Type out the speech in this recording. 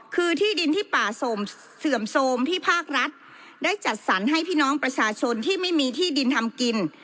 คือที่ดินที่ป่าเสื่อมโทรมที่ภาครัฐได้จัดสรรให้พี่น้องประชาชนที่ไม่มีที่ดินทำกิน